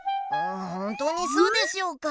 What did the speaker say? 本当にそうでしょうか。